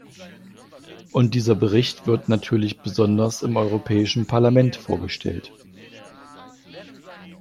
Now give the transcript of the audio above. Und dieser Bericht wird natürlich besonders im Europäischen Parlament vorgestellt.